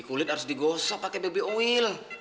kulit harus di gosok opini baby oil